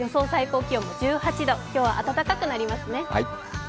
最高気温は１８度、今日は暖かくなりますね。